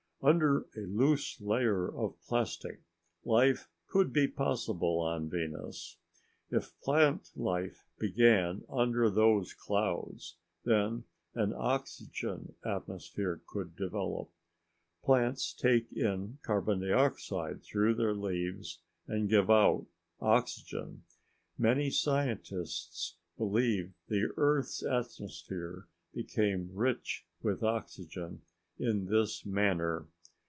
Under a loose layer of plastic, life could be possible on Venus. If plant life began under those clouds, then an oxygen atmosphere could develop. Plants take in carbon dioxide through their leaves and give out oxygen. Many scientists believe the Earth's atmosphere became rich with oxygen in this manner.